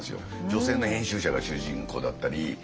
女性の編集者が主人公だったり。